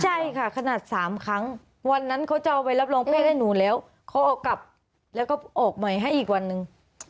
ใช่ค่ะขนาด๓ครั้งวันนั้นเขาจะเอาไปรับรองแพทย์ให้หนูแล้วเขาเอากลับแล้วก็ออกใหม่ให้อีกวันหนึ่ง